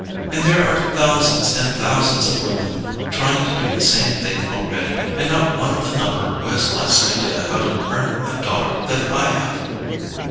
And there are thousands and thousands of women trying to do the same thing already, and not one of the number who has less idea how to earn a dollar than I have!"